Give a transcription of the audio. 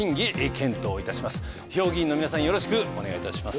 評議員の皆さんよろしくお願いいたします。